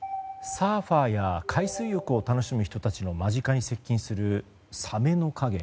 サーファーや海水浴を楽しむ人たちの間近に接近するサメの影。